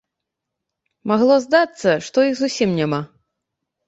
Магло здацца, што іх зусім няма.